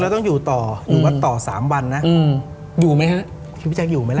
เราต้องอยู่ต่ออยู่วัดต่อสามวันนะอืมอยู่มั้ยฮะชีวิตถ้ากคุณอยู่มั้ยล่ะ